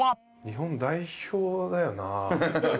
日本代表だよな？